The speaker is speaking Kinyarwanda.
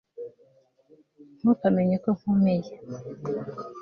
Ntukamenya ko nkomeye